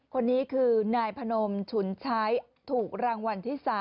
คนนี้คือนายพนมฉุนชัยถูกรางวัลที่๓